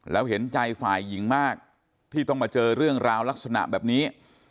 แล้วเห็นใจฝ่ายหญิงมากที่ต้องมาเจอเรื่องราวลักษณะแบบนี้